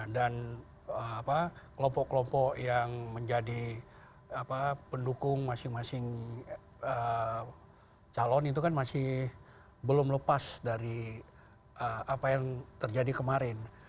dan kelompok kelompok yang menjadi pendukung masing masing calon itu kan masih belum lepas dari apa yang terjadi kemarin